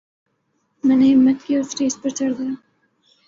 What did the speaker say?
میں نے ہمت کی اور سٹیج پر چڑھ گیا